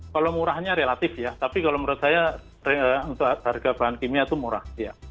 kalau murahnya relatif ya tapi kalau menurut saya untuk harga bahan kimia itu murah